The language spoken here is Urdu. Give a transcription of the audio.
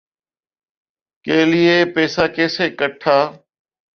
کے لیے پیسہ کیسے اکھٹا